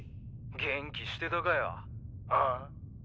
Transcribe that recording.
元気してたかよあ？